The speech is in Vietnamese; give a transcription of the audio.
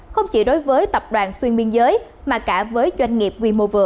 không chỉ đối với tập đoàn xuyên biên giới mà cả với doanh nghiệp quy mô vừa